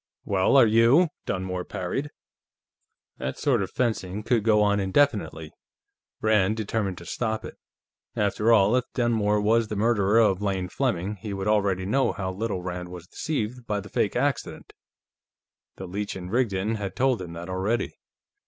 "Well, are you?" Dunmore parried. That sort of fencing could go on indefinitely. Rand determined to stop it. After all, if Dunmore was the murderer of Lane Fleming, he would already know how little Rand was deceived by the fake accident; the Leech & Rigdon had told him that already.